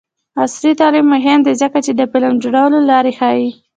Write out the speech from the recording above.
عصري تعلیم مهم دی ځکه چې د فلم جوړولو لارې ښيي.